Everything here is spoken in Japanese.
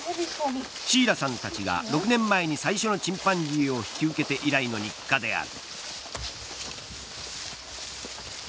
シーラさんたちが６年前に最初のチンパンジーを引き受けて以来の日課である。